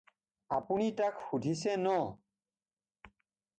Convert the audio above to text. আপুনি তাক সুধিছে ন?